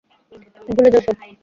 ভুলে যাও সব।